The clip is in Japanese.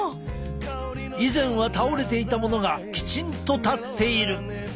以前は倒れていたものがきちんと立っている！